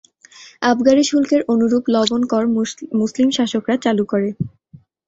আবগারি শুল্কের অনুরূপ লবণ কর মুসলিম শাসকরা চালু করে।